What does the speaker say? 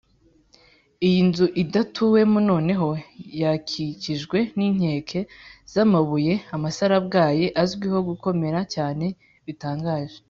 iyi nzu idatuwemo noneho yakikijwe n inkike z amabuye yamasarabwayi azwiho gukomera cyane bitangaje